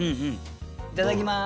いただきます！